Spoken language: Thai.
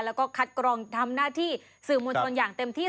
แล้วก็คัดกรองทำหน้าที่สื่อมวลชนอย่างเต็มที่